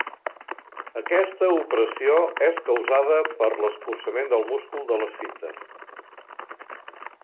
Aquesta opressió és causada per l'escurçament del múscul de l'esfínter.